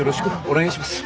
お願いします。